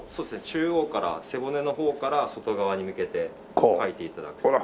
中央から背骨の方から外側に向けてかいて頂く。